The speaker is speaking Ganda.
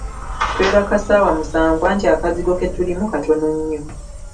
Twebaka ssawa musanvu anti akazigo ketulimu katono nnyo.